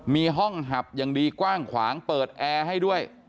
มีห้องหับอย่างดีกว้างขวางเปิดแอร์ให้ด้วย